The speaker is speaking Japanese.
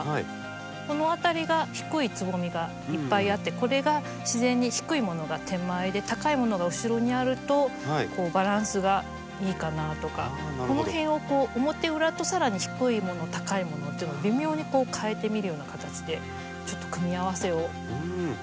この辺りが低いつぼみがいっぱいあってこれが自然に低いものが手前で高いものが後ろにあるとバランスがいいかなとかこの辺をこう表裏とさらに低いもの高いものっていうのを微妙に変えてみるような形でちょっと組み合わせを見てみてください。